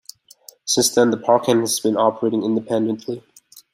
Since then, the park has been operating independently.